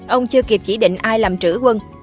ông chưa kịp chỉ định ai làm trữ quân